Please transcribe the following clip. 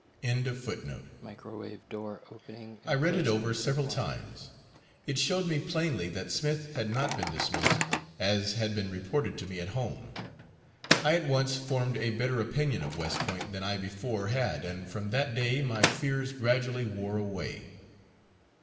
I read it over several times. It showed me plainly that Smith had not been dismissed, as had been reported to me at home. I at once formed a better opinion of West Point than I before had, and from that day my fears gradually wore away.